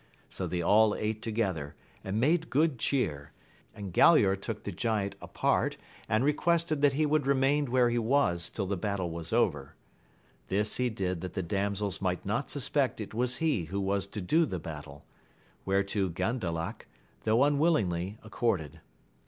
So they aU ate together, and made good cheer, and Galaor took the giant apart, and re quested that he would remain where he was till the battle was over : this he did that the damsels might not suspect it was he who was to do the battle; whereto Gandalac, though unwillingly, accorded.